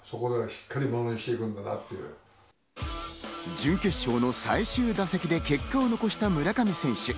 準決勝の最終打席で結果を残した村上選手。